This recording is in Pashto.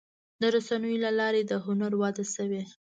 د رسنیو له لارې د هنر وده شوې.